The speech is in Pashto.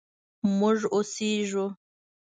مونږ اوسیږو